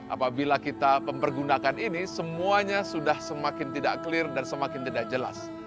apabila kita mempergunakan ini semuanya sudah semakin tidak clear dan semakin tidak jelas